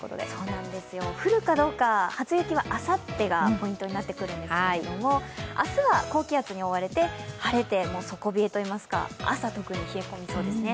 降るかどうか初雪はあさってがポイントになってくるんですけど、明日は高気圧に覆われて晴れて底冷えといいますか朝、特に冷え込みそうですね。